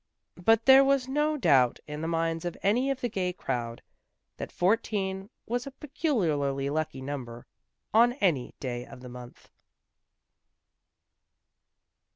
But there was no doubt in the minds of any of the gay crowd that fourteen was a peculiarly lucky number, on any day of the month.